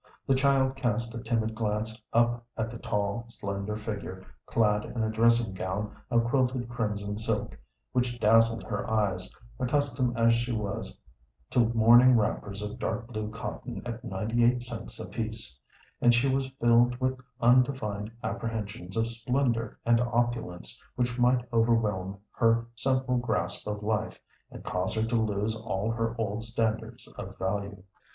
The child cast a timid glance up at the tall, slender figure clad in a dressing gown of quilted crimson silk which dazzled her eyes, accustomed as she was to morning wrappers of dark blue cotton at ninety eight cents apiece; and she was filled with undefined apprehensions of splendor and opulence which might overwhelm her simple grasp of life and cause her to lose all her old standards of value.